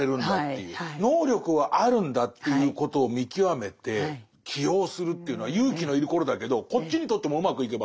能力はあるんだっていうことを見極めて起用するというのは勇気の要ることだけどこっちにとってもうまくいけば。